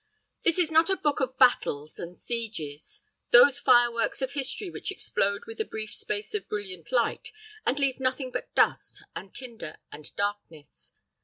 This is not a book of battles and sieges those fire works of history which explode with a brief space of brilliant light, and leave nothing but dust, and tinder, and darkness.